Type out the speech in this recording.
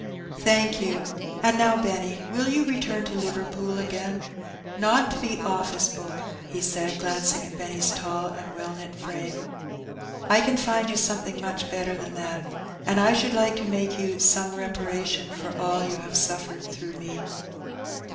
*'" Thank you. And now, Benny, will you return to Liverpool again? Not to be office boy,*' he said, glancing at Benny's tall and well knit frame; "I can find you something much better than that, and I should like to make you some reparation for all you have suflFered through me.